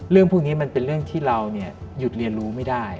เรื่องพวกนี้มันเป็นเรื่องที่เราหยุดเรียนรู้ไม่ได้